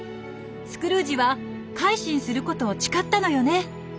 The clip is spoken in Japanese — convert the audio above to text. スクルージは改心することを誓ったのよね。